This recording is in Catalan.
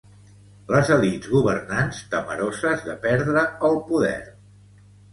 Les elits governants temeroses de perdre el poder